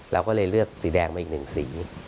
เราก็เลยเลือกสีแดงมาอีกหนึ่งสี